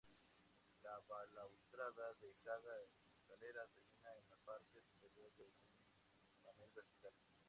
La balaustrada de cada escalera termina en la parte superior de un panel vertical.